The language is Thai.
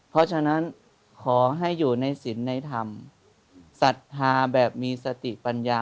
เพราะฉะนั้นขอให้อยู่ในศิลป์ในธรรมศรัทธาแบบมีสติปัญญา